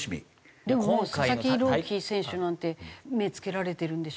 でももう佐々木朗希選手なんて目付けられてるんでしょ？